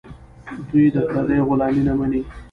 دوی د پردیو غلامي نه مني.